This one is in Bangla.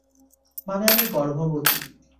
মানে আমি গর্ভবতী।